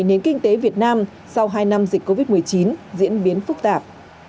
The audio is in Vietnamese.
nền kinh tế việt nam sau hai năm dịch covid một mươi chín diễn biến phức tạp